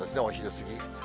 お昼過ぎ。